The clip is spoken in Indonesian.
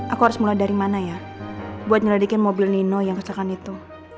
aku harus mulai dari mana ya buat nyeledikin mobil nino yang kesakan itu